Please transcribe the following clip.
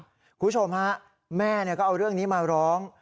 คุณผู้ชมฮะแม่ก็เอาเรื่องนี้มาร้อง